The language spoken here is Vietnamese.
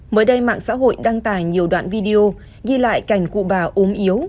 mới đây mạng xã hội đăng tải nhiều đoạn video ghi lại cảnh cụ bà ốm yếu